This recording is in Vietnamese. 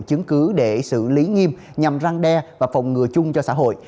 chứng cứ để xử lý nghiêm nhằm răng đe và phòng ngừa chung cho xã hội